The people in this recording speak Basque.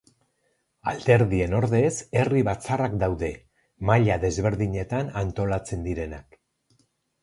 Alderdien ordez herri-batzarrak daude, maila desberdinetan antolatzen direnak.